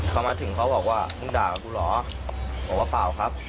เขามาถึงเขาบอกว่ามึงด่ากับกูเหรอบอกว่าเปล่าครับ